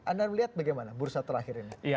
anda melihat bagaimana bursa terakhir ini